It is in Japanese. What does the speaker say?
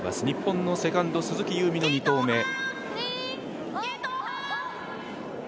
日本のセカンド・鈴木夕湖の２投目。